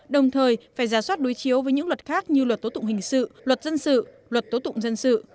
đồng thời phải giả soát đối chiếu với những luật khác như luật tố tụng hình sự luật dân sự luật tố tụng dân sự